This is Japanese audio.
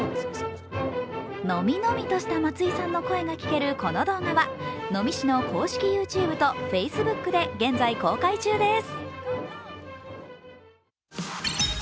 のみのみとした松井さんの声が聞けるこの動画は、能美市の公式ＹｏｕＴｕｂｅとＦａｃｅｂｏｏｋで現在、公開中です。